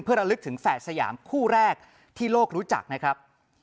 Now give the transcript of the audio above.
เพื่อระลึกถึงแฝดสยามคู่แรกที่โลกรู้จักนะครับ